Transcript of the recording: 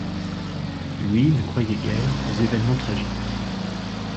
Lui ne croyait guère aux événements tragiques.